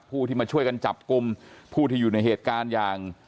ผู้ที่มาช่วยกันจับกลุ่มผู้ที่อยู่ในเหตุการณ์อย่าง